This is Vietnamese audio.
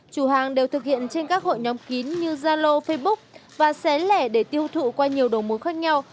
chủ hàng đều thực hiện trên các hội nhóm kín như zalo facebook và xé lẻ để tiêu thụ qua nhiều đồ mối khác nhau